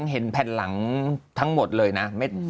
เห็นแผ่นหลังทั้งหมดเลยนะ